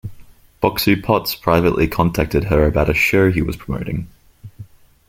Boxu Potts privately contacted her about a show he was promoting.